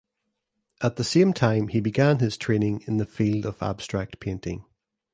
At the same time he began his training in the field of abstract painting.